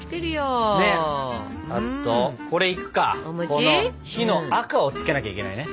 この「日」の赤をつけなきゃいけないね。